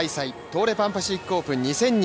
東レパンパシフィックオープン２０２２